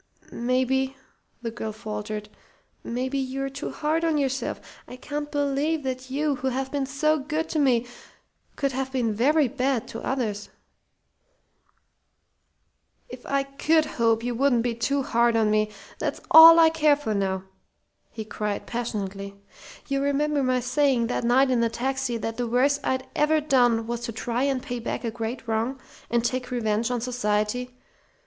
"Maybe," the girl faltered, "maybe you're too hard on yourself. I can't believe that you, who have been so good to me, could have been very bad to others." "If I could hope you wouldn't be too hard on me, that's all I care for now!" he cried, passionately. "You remember my saying that night in the taxi that the worst I'd ever done was to try and pay back a great wrong, and take revenge on society?